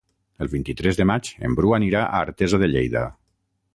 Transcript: El vint-i-tres de maig en Bru anirà a Artesa de Lleida.